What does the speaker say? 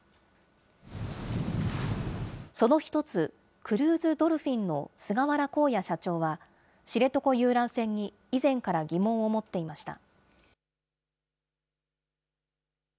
その一つ、クルーズ・ドルフィンの菅原浩也社長は、知床遊覧船に以前から疑問を持っていました。